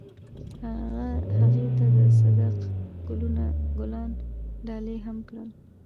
هغه هغې ته د صادق ګلونه ګلان ډالۍ هم کړل.